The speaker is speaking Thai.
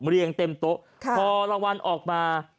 เรียงเต็มโต๊ะพอรางวัลออกมา